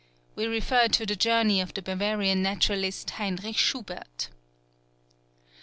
We refer to the journey of the Bavarian naturalist Heinrich Schubert.